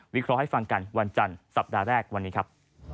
เคราะห์ให้ฟังกันวันจันทร์สัปดาห์แรกวันนี้ครับ